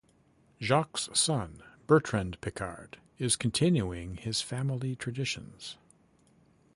Jacques's son Bertrand Piccard is continuing his family traditions.